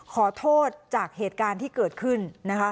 ขอโทษจากเหตุการณ์ที่เกิดขึ้นนะคะ